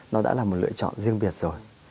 nó đã là một lựa chọn riêng biệt rồi